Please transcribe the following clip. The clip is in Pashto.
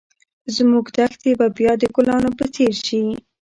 زموږ دښتې به بیا د ګلانو په څېر شي.